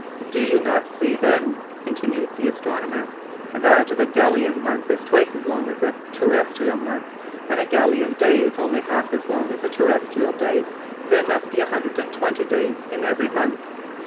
"Do you not see, then," continued the astronomer, "that if a Gallian month is twice as long as a terrestrial month, and a Gallian day is only half as long as a terrestrial day, there must be a hundred and twenty days in every month?"